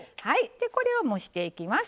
でこれを蒸していきます。